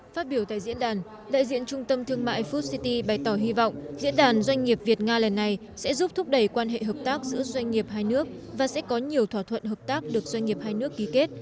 phát biểu tại diễn đàn đại diện trung tâm thương mại food city bày tỏ hy vọng diễn đàn doanh nghiệp việt nga lần này sẽ giúp thúc đẩy quan hệ hợp tác giữa doanh nghiệp hai nước và sẽ có nhiều thỏa thuận hợp tác được doanh nghiệp hai nước ký kết